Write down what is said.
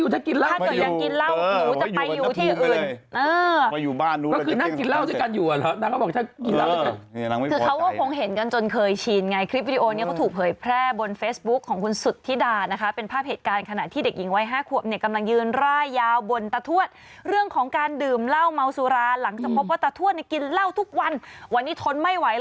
ต้องกลับบ้านสิบหลังอย่ากินเหรียะเตือนหลายครั้งแล้วนี่